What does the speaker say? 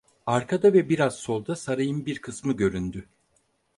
Arkada ve biraz solda sarayın bir kısmı göründü.